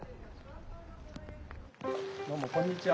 どうもこんにちは。